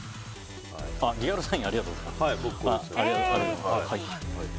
リアルサインありがとうございます。